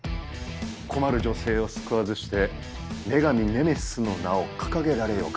困る女性を救わずして女神ネメシスの名を掲げられようか？